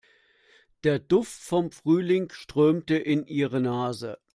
Der Duft von Frühling strömte in ihre Nase.